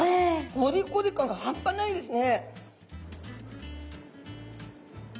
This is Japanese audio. コリコリ感がはんぱないですね。